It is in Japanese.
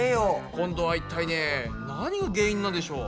今度は一体ね何が原因なんでしょう？